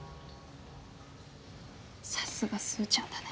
さすがスーちゃんだね。